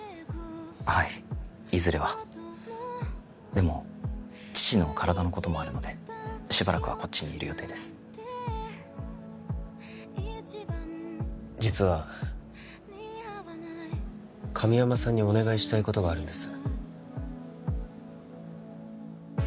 はいいずれはでも父の体のこともあるのでしばらくはこっちにいる予定です実は神山さんにお願いしたいことがあるんです